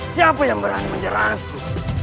siapa yang berani menyerah aku